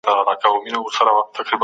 ډاکټر ګو وايي ساده تدابیر ګټور دي.